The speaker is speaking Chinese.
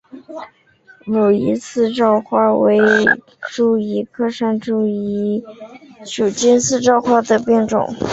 武夷四照花为山茱萸科山茱萸属尖叶四照花的变种。